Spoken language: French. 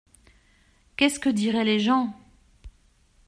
Qu’est-ce que diraient les gens !